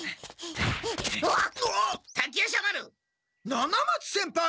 七松先輩！